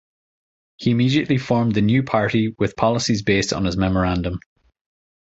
He immediately formed the New Party, with policies based on his memorandum.